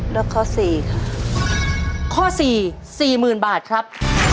เลือกข้อสี่ค่ะข้อสี่๔๐๐๐๐บาทครับ